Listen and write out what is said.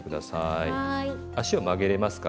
足を曲げれますか？